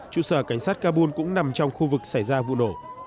trụ sở cảnh sát kabul cũng nằm trong khu vực xảy ra vụ nổ